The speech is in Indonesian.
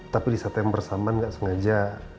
tapi di saat yang bersamaan gak sengaja